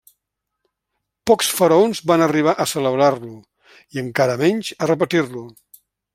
Pocs faraons van arribar a celebrar-lo i encara menys a repetir-lo.